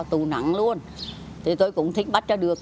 tù nặng luôn thì tôi cũng thích bắt ra được